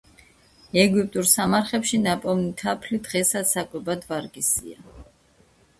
ეგვიპტურ სამარხებში ნაპოვნი თაფლი დღესაც საკვებად ვარგისია.